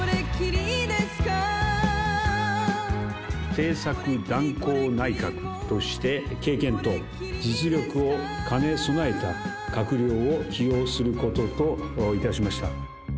政策断行内閣として、経験と実力を兼ね備えた閣僚を起用することといたしました。